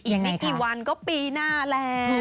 อีกไม่กี่วันก็ปีหน้าแล้ว